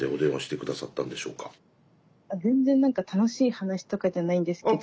全然楽しい話とかじゃないんですけど。